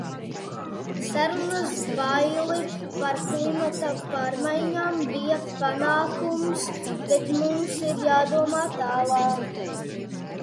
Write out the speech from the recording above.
Sarunas Bali par klimata pārmaiņām bija panākums, bet mums ir jādomā tālāk.